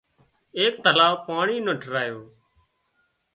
ايڪ تلاوَ پاڻي نو ٺاهرايو